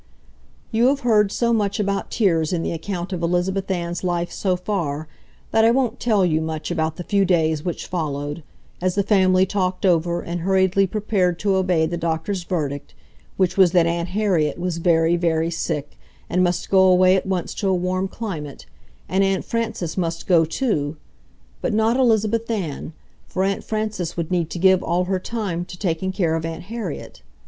You have heard so much about tears in the account of Elizabeth Ann's life so far that I won't tell you much about the few days which followed, as the family talked over and hurriedly prepared to obey the doctor's verdict, which was that Aunt Harriet was very, very sick and must go away at once to a warm climate, and Aunt Frances must go, too, but not Elizabeth Ann, for Aunt Frances would need to give all her time to taking care of Aunt Harriet.